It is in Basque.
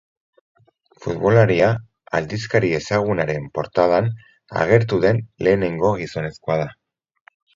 Futbolaria aldizkari ezagunaren portadan agertu den lehenengo gizonezkoa da.